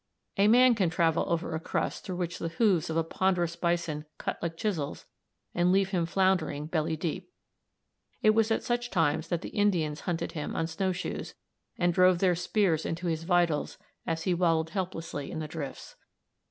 A man can travel over a crust through which the hoofs of a ponderous bison cut like chisels and leave him floundering belly deep. It was at such times that the Indians hunted him on snow shoes, and drove their spears into his vitals as he wallowed helplessly in the drifts.